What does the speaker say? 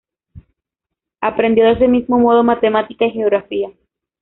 Aprendió de ese mismo modo matemática y geografía.